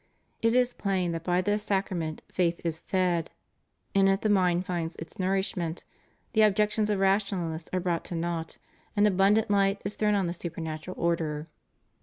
It is plain that by this Sacrament faith is fed, in it the mind finds its nourishment, the objections of rationalists are brought to naught, and abundant Hght is thrown on the supernatural order.